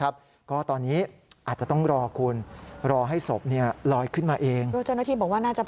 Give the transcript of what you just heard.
ร่างอาจจะลอยขึ้นมานะครับ